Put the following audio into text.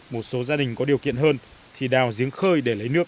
một số gia đình có điều kiện hơn thì đào giếng khơi để lấy nước